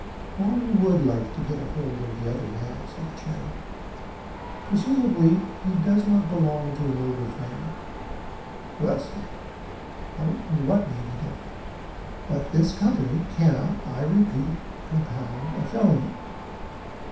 "One would like to get hold of the other man," said the Chairman. "Presumably he does not belong to a noble family. Well, sir, I don't know what may be done; but this Company cannot, I repeat, compound a felony."